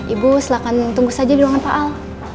ibu silakan tunggu saja di ruangan pak al